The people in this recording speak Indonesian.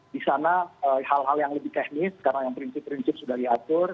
di sana hal hal yang lebih teknis karena yang prinsip prinsip sudah diatur